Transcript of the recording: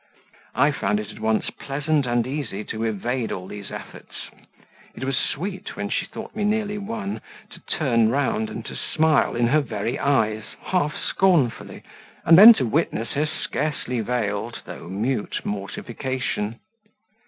I found it at once pleasant and easy to evade all these efforts; it was sweet, when she thought me nearly won, to turn round and to smile in her very eyes, half scornfully, and then to witness her scarcely veiled, though mute mortification.